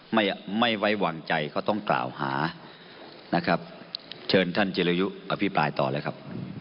ไม่ไม่ไว้วางใจเขาต้องกล่าวหานะครับเชิญท่านจิรยุอภิปรายต่อเลยครับ